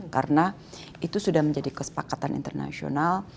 karena itu sudah menjadi kesepakatan internasional